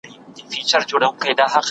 ایا تکړه پلورونکي وچ انار اخلي؟